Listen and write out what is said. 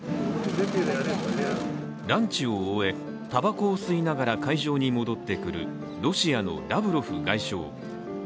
ランチを終え、たばこを吸いながら会場に戻ってくる、ロシアのラブロフ外相。